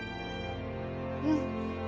うん！